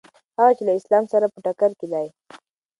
هغه چې له اسلام سره په ټکر کې دي.